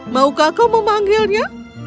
maukah kamu memanggilnya